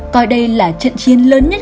coi đây là trận chiến lớn nhất